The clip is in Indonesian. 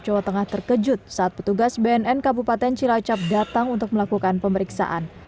jawa tengah terkejut saat petugas bnn kabupaten cilacap datang untuk melakukan pemeriksaan